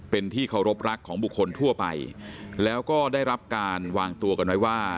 เป็นที่เคารพรักของบุคคลทั่วไปแล้วก็ได้รับการวางตัวกันไว้ว่า